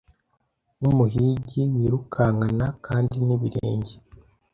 nkumuhigi wirukankana kandi nibirenge